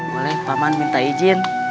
boleh paman minta izin